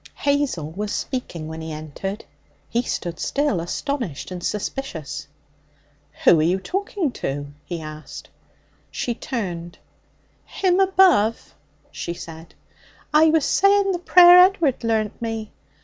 Hazel was speaking when he entered. He stood still, astonished and suspicious. 'Who are you talking to?' he asked. She turned. 'Him above,' she said. 'I was saying the prayer Ed'ard learnt me.